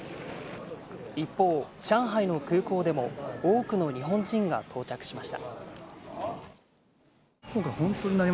一方、上海の空港でも多くの日本人が到着しました。